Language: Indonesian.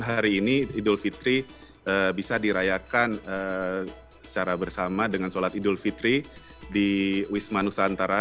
dan hari ini idul fitri bisa dirayakan secara bersama dengan sholat idul fitri di wisma nusantara